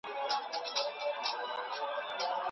استاد پوښتنه وکړه چي نن سبا تاسو څه کار کوئ.